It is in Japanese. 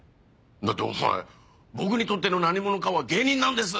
だってお前「僕にとっての何者かは芸人なんです！」